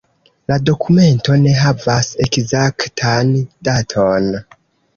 La dokumento ne havas ekzaktan daton.